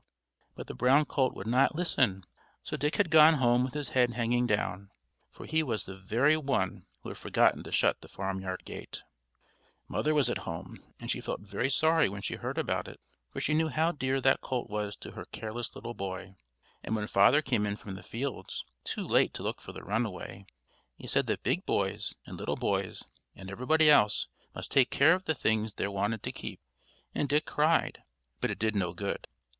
but the brown colt would not listen; so Dick had gone home with his head hanging down, for he was the very one who had forgotten to shut the farmyard gate. Mother was at home, and she felt very sorry when she heard about it, for she knew how dear that colt was to her careless little boy; and when father came in from the fields, too late to look for the runaway, he said that big boys and little boys and everybody else must take care of the things they wanted to keep; and Dick cried, but it did no good.